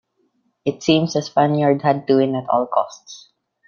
It seems a Spaniard had to win at all costs.